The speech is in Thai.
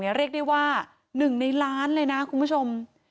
เรียกได้ว่า๑ในล้านเลยนะคุณผู้ชม